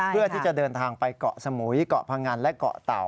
เพื่อที่จะเดินทางไปเกาะสมุยเกาะพงันและเกาะเต่า